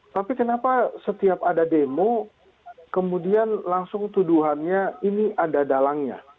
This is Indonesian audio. tapi kenapa setiap ada demo kemudian langsung tuduhannya ini ada dalangnya